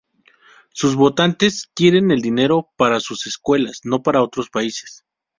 Sus votantes quieren el dinero para sus escuelas, no para otros países.